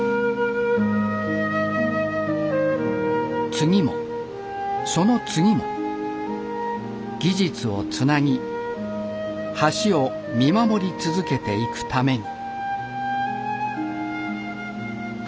次もその次も技術をつなぎ橋を見守り続けていくために。